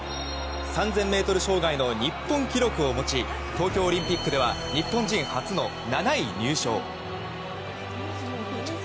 ３０００ｍ障害の日本記録を持ち東京オリンピックでは日本人初の７位入賞。